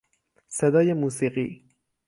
صدای موسیقی